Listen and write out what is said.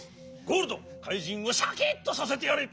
ゴールドかいじんをシャキッとさせてやれ！